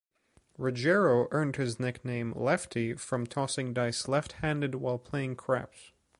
Ruggiero earned his nickname "Lefty" from tossing dice left-handed while playing craps.